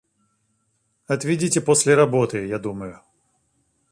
Отведите после работы, я думаю.